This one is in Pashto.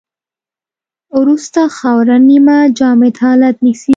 وروسته خاوره نیمه جامد حالت نیسي